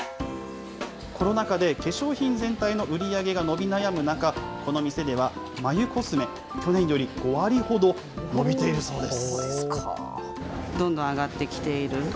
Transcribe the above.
コロナ禍で化粧品全体の売り上げが伸び悩む中、この店では眉コスメ、去年より５割ほど伸びているそうです。